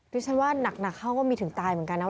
ดิฉันว่าหนักเขาก็มีถึงตายเหมือนกันนะ